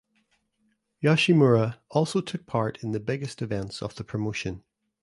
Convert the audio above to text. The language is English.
Yoshimura also took part in the biggest events of the promotion.